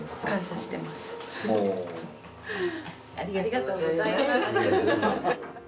ありがとうございます。